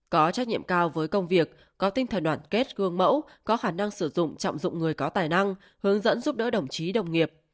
có trách nhiệm cao với công việc có tinh thần đoàn kết gương mẫu có khả năng sử dụng trọng dụng người có tài năng hướng dẫn giúp đỡ đồng chí đồng nghiệp